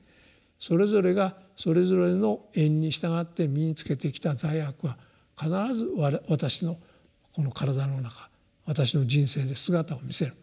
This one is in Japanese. それぞれがそれぞれの縁に従って身につけてきた罪悪は必ず私のこの体の中私の人生で姿を見せる。